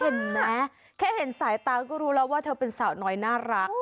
เห็นไหมแค่เห็นสายตาก็รู้แล้วว่าเธอเป็นสาวน้อยน่ารัก